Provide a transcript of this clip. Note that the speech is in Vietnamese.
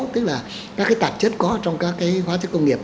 tức là các cái tạp chất có trong các cái hóa chất công nghiệp